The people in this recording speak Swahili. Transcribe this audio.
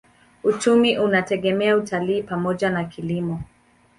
Uchumi unategemea utalii pamoja na kilimo.